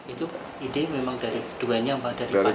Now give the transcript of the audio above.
itu ide memang dari keduanya atau dari fani